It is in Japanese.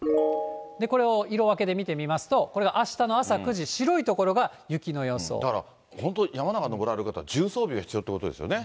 これを色分けで見てみますと、これがあしたの朝９時、だから本当、山なんか登られる方は重装備が必要ということですね。